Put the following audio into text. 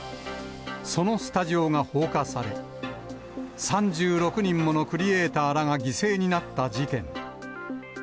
そのスタジオが放火され、３６人ものクリエーターらが犠牲になった事件。